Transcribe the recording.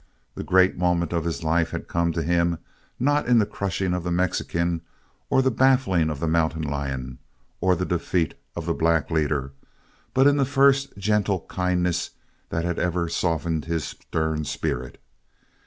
The great moment of his life had come to him not in the crushing of the Mexican or the baffling of the mountain lion or the defeat of the black leader but in the first gentle kindness that had ever softened his stern spirit.